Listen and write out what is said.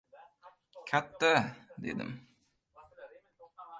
— Katta, — dedim.